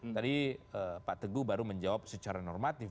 tadi pak teguh baru menjawab secara normatif